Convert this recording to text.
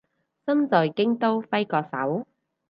身在京都揮個手